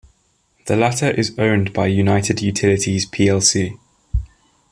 The latter is owned by United Utilities plc.